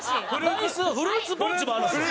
ライスフルーツポンチもあるんですよ。